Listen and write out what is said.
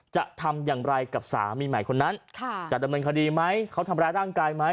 จะทำอย่างไรกับสามีใหม่คนนั้นจะดำเนินคดีไหมเขาทำร้ายร่างกายไหม